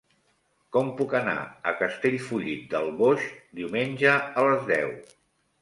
Com puc anar a Castellfollit del Boix diumenge a les deu?